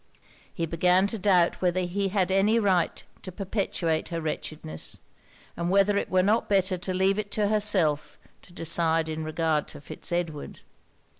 He began to doubt whether he had any right to perpetuate her wretchedness; and whether it were not better to leave it to herself to decide in regard to Fitz Edward.